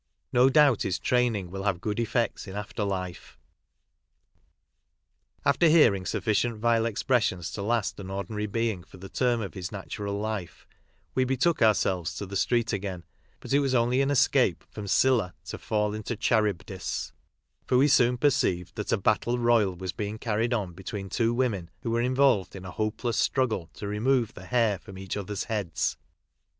No doubt his training will have good effects in after life. After hearing sufficient vile expressions to last an ordinary being for the term of his natural lire we betook ourselves to the street again, but it was only an escape from Scylla to tail into Charybdis, for we soon perceived that a battle royal was being carried on between two women who were involved in a hopeless struggle to remove the hair from each other's heads.